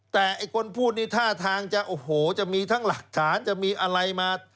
แต่ไอ้คนพูดนี่ท่าทางจะโอ้โหจะมีทั้งหลักฐานจะมีอะไรมา